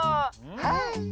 はい。